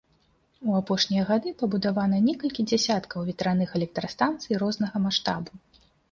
У апошнія гады пабудавана некалькі дзясяткаў ветраных электрастанцый рознага маштабу.